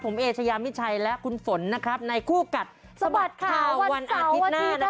ผมเอเชยามิชัยและคุณฝนนะครับในคู่กัดสะบัดข่าววันอาทิตย์หน้า